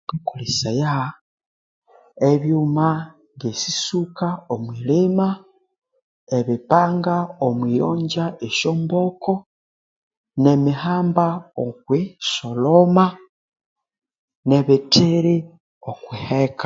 Ngakesaya ebyuma nge sisuka omwilima ebipanga omwiyonja esyo mboko ne mihamba okwi solhoma ne bithiri omwiheka